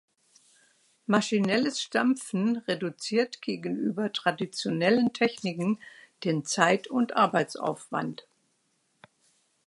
Maschinelles Stampfen reduziert gegenüber traditionellen Techniken den Zeit- und Arbeitsaufwand.